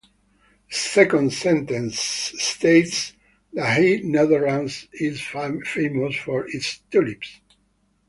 The second sentence states that the Netherlands is famous for its tulips.